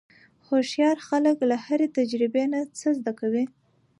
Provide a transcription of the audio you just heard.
هوښیار خلک له هرې تجربې نه څه زده کوي.